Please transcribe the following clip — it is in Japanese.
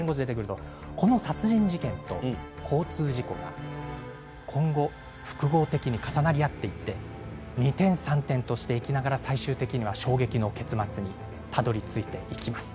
この殺人事件、交通事故が今後、複合的に重なり合っていって二転三転していきながら最終的には衝撃の結末にたどりついていきます。